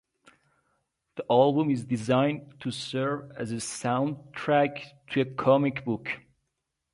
The album is designed to serve as a soundtrack to a comic book.